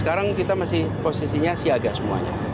sekarang kita masih posisinya siaga semuanya